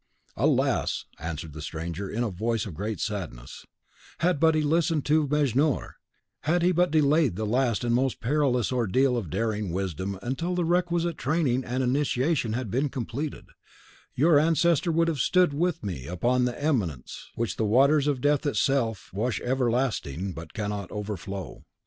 "Alas!" answered the stranger, in a voice of great sadness, "had he but listened to Mejnour, had he but delayed the last and most perilous ordeal of daring wisdom until the requisite training and initiation had been completed, your ancestor would have stood with me upon an eminence which the waters of Death itself wash everlastingly, but cannot overflow.